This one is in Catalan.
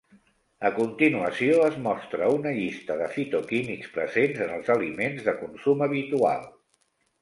A continuació es mostra una llista de fitoquímics presents en els aliments de consum habitual.